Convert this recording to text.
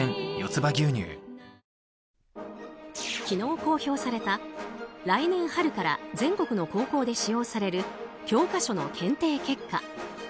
昨日公表された、来年春から全国の高校で使用される教科書の検定結果。